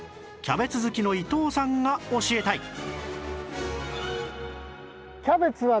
キャベツ好きの伊藤さんが教えたいえ！